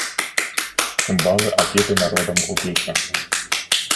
Цымбалы апеты народам у песнях.